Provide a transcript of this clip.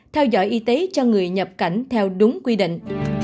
theo dõi y tế cho người nhập cảnh theo đúng quy định